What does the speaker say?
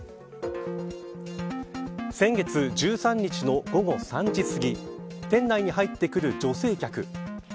先月、１３日の午後３時すぎ店内に入ってくる女性客。